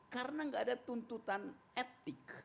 karena nggak ada tuntutan etik